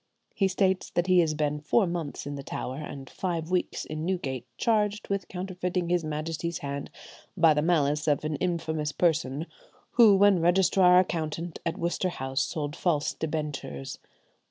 He states that he has been four months in the Tower, and five weeks in Newgate, charged with counterfeiting his Majesty's hand, by the malice of an infamous person who, when Registrar Accountant at Worcester House, sold false debentures."